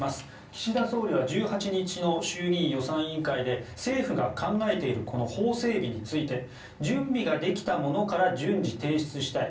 岸田総理は１８日の衆議院予算委員会で政府が考えているこの法整備について準備ができたものから順次、提出したい。